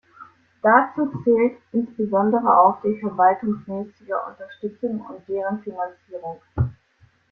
Dazu zählt insbesondere auch die verwaltungsmäßige Unterstützung und deren Finanzierung.